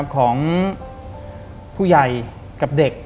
ของผู้ใหญ่กับเด็ก